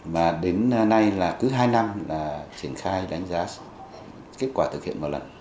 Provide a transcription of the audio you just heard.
mà đến nay là cứ hai năm là triển khai đánh giá kết quả thực hiện một lần